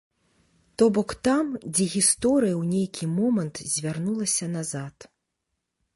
То бок там, дзе гісторыя ў нейкі момант звярнулася назад.